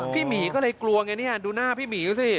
พี่หมีก็เลยกลัวอย่างนี้ดูหน้าพี่หมีดูสิ